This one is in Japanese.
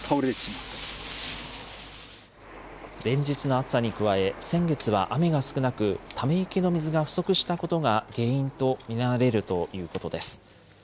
暑さに加え、先月は雨が少なく、ため池の水が不足したことが原因と見られるということです。